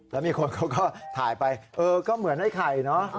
แล้วมีคนเขาก็ถ่ายไปเออก็เหมือนไอ้ไข่เนอะ